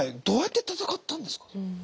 どうやって闘ったんですか。